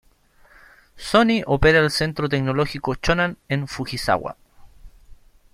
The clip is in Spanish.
Sony opera el Centro Tecnológico Shonan en Fujisawa.